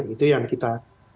itu yang kita